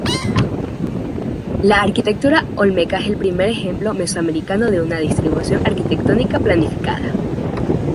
La arquitectura olmeca es el primer ejemplo mesoamericano de una distribución arquitectónica planificada.